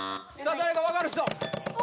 誰か分かる人